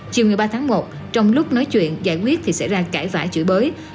chiều một mươi ba tháng một trong lúc nói chuyện giải quyết thì xảy ra cãi vãi chửi bới